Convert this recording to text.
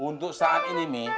untuk saat ini mbah